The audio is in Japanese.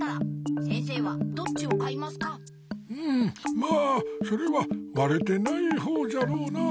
まあそれはわれてないほうじゃろうなぁ。